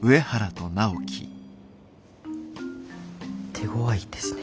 手ごわいですね。